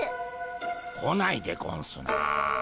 来ないでゴンスな。